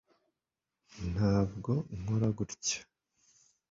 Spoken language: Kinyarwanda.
ntabwo nkora gutya